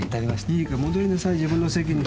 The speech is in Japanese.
いいから戻りなさい自分の席に。